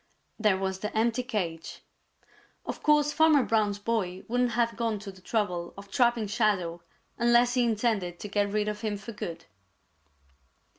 There was the empty cage. Of course Farmer Brown's boy wouldn't have gone to the trouble of trapping Shadow unless he intended to get rid of him for good.